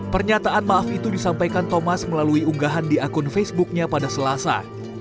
pernyataan maaf itu disampaikan thomas melalui unggahan di akun facebooknya pada selasa